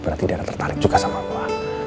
berarti dia tertarik juga sama gua